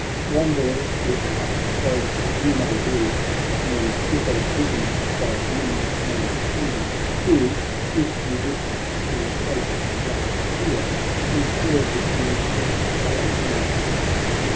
" AYanderers we are, as you may be ; Men hither driven by wind and sea, Who, if you list to taste our cheer, Will share with you this fallow deer."